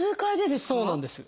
そうなんです。